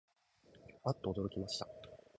あっとおどろきました